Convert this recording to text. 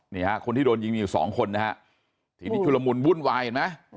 นี่ฮะคนที่โดนยิงมีอยู่สองคนนะฮะทีนี้ชุลมุนวุ่นวายเห็นไหม